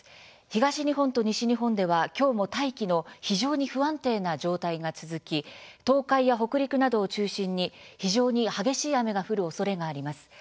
東日本と西日本ではきょうも大気の非常に不安定な状態が続き東海や北陸などを中心に非常に激しい雨が降るおそれがあります。